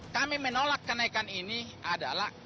kami menolak kenaikan ini adalah